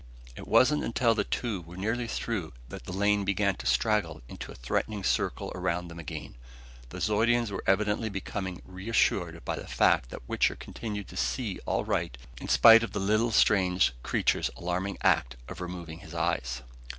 It wasn't until the two were nearly through that the lane began to straggle into a threatening circle around them again. The Zeudians were evidently becoming reassured by the fact that Wichter continued to see all right in spite of the little strange creature's alarming act of removing his eyes.